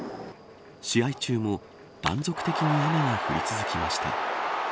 試合中も断続的に雨は降り続きました。